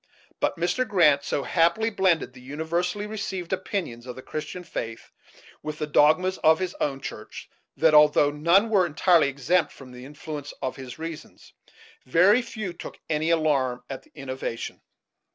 But Mr. Grant so happily blended the universally received opinions of the Christian faith with the dogmas of his own church that, although none were entirely exempt from the influence of his reasons, very few took any alarm at the innovation.